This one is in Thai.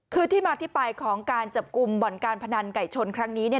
คือที่มาที่ไปของการจับกลุ่มบ่อนการพนันไก่ชนครั้งนี้